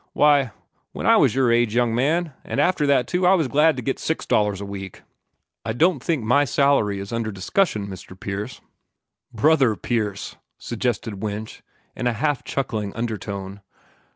Why, when I was your age, young man, and after that too, I was glad to get $4 a week." "I don't think my salary is under discussion, Mr. Pierce " "BROTHER Pierce!" suggested Winch, in a half shuckling undertone.